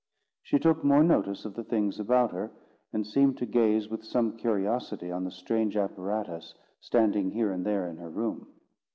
She took more notice of the things about her, and seemed to gaze with some curiosity on the strange apparatus standing here and there in her room.